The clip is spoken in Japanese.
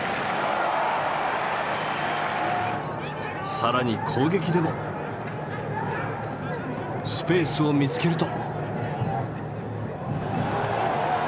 更に攻撃でもスペースを見つけると。